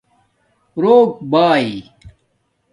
روک بائ